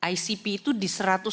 icp itu di satu ratus enam tujuh